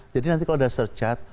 jadi nanti kalau sudah surcharge